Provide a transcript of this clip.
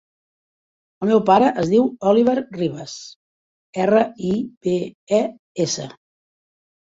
El meu pare es diu Oliver Ribes: erra, i, be, e, essa.